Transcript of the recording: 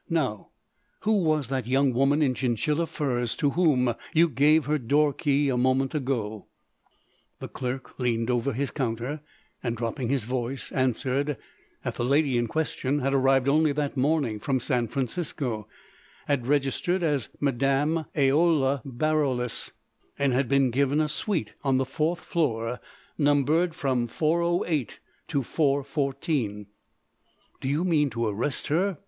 Now, who was that young woman in chinchilla furs to whom you gave her door key a moment ago?" The clerk leaned over his counter and, dropping his voice, answered that the lady in question had arrived only that morning from San Francisco; had registered as Madame Aoula Baroulass; and had been given a suite on the fourth floor numbered from 408 to 414. "Do you mean to arrest her?"